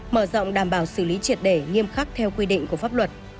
mở rộng đảm bảo xử lý triệt để nghiêm khắc theo quy định của pháp luật